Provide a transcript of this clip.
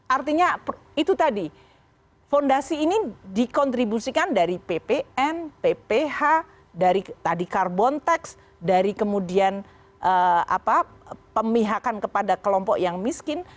artinya itu tadi fondasi ini dikontribusikan dari ppn pph dari tadi carbon tax dari kemudian pemihakan kepada kelompok yang miskin